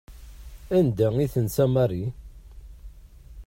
Anda i tensa Mary?